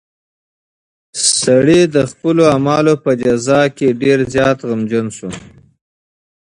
سړی د خپلو اعمالو په جزا کې ډېر زیات غمجن شو.